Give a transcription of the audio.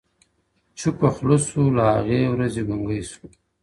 چوپه خوله سو له هغې ورځي ګونګی سو!.